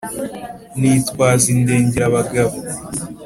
nitwaza indengerabagabo.